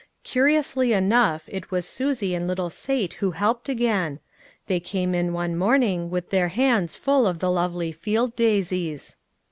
Curiously enough it was Susie and little Sate who helped again. They came in one morning, with their hands full of the lovely field daisies.